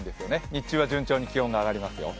日中は順調に気温が上がりますよ。